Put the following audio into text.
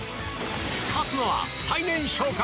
勝つのは最年少か？